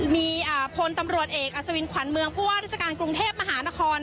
มีพลตำรวจเอกอัศวินขวัญเมืองผู้ว่าราชการกรุงเทพมหานคร